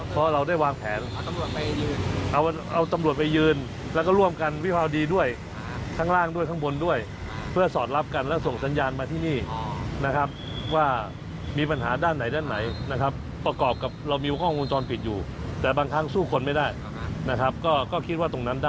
ส่วนบนหน้าหน่อบนรวมรหลัดพร้าว